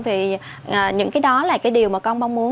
thì những cái đó là cái điều mà con mong muốn